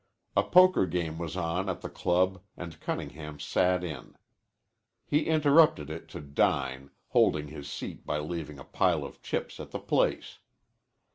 A poker game was on at the club and Cunningham sat in. He interrupted it to dine, holding his seat by leaving a pile of chips at the place.